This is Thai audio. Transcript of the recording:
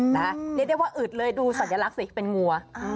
เรียกได้ว่าอึดเลยดูสัญลักษณ์สิเป็นงัว